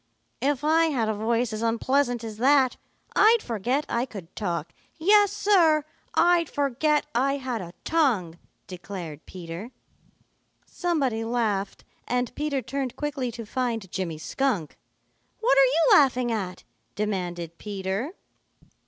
"If I had a voice as unpleasant as that, I'd forget I could talk. Yes, Sir, I'd forget I had a tongue," declared Peter. Somebody laughed, and Peter turned quickly to find Jimmy Skunk. "What are you laughing at?" demanded Peter.